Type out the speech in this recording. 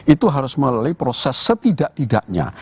itu harus melalui proses setidak tidaknya